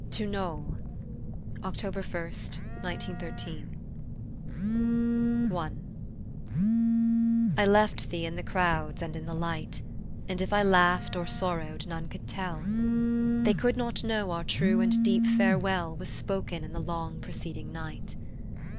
TO KNOLE October 1, 1913 I I LEFT thee in the crowds and in the light, And if I laughed or sorrowed none could tell. They could not know our true and deep farewell Was spoken in the long preceding night.